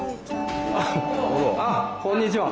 あっこんにちは。